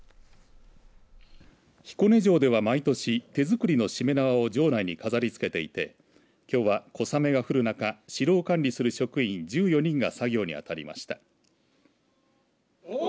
彦根城では毎年手作りのしめ縄を場内に飾りつけていてきょうは小雨が降る中城を管理する職員１４人が作業に当たりました。